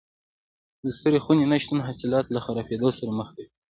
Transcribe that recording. د سړې خونې نه شتون حاصلات له خرابېدو سره مخ کوي.